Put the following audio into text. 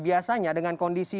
biasanya dengan kondisi